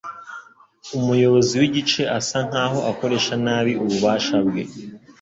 Umuyobozi w'igice asa nkaho akoresha nabi ububasha bwe